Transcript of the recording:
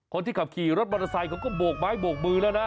คนที่ขับขี่รถมอเตอร์ไซค์เขาก็โบกไม้โบกมือแล้วนะ